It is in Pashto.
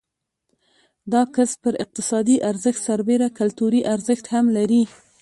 دا کسب پر اقتصادي ارزښت سربېره کلتوري ارزښت هم لري.